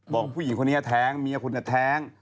บอกผู้หญิงคนนี้แท้งเมียคุณแท้ง